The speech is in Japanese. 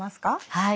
はい。